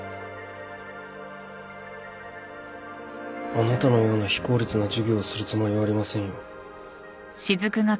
あなたのような非効率な授業をするつもりはありませんよ。